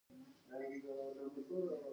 د شیدو د بندیدو لپاره د ګرمو اوبو مساج وکړئ